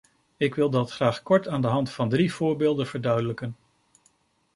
Ik wil dat graag kort aan de hand van drie voorbeelden verduidelijken.